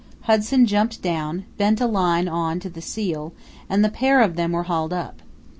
Hudson jumped down, bent a line on to the seal, and the pair of them were hauled up.